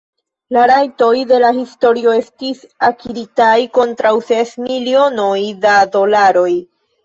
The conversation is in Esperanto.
La rajtoj de la historio estis akiritaj kontraŭ ses milionoj de dolaroj.